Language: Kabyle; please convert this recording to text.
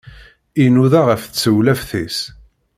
Inuda ɣef tsewlaft-is.